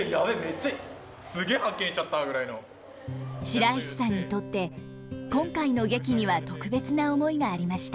白石さんにとって今回の劇には特別な思いがありました。